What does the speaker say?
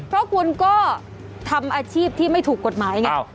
เพราะคุณก็ทำอาชีพที่ไม่ถูกกฎหมายไง